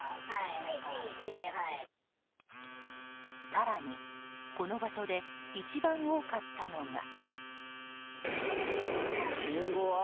更に、この場所で一番多かったのが。